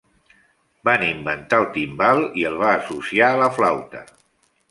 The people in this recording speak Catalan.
Van inventar el timbal i el va associar a la flauta.